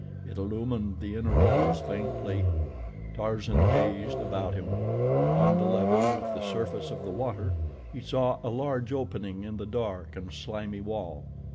It illumined the inner walls faintly. Tarzan gazed about him. On the level with the surface of the water he saw a large opening in the dark and slimy wall.